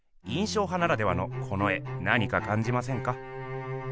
印象派ならではのこの絵なにかかんじませんか？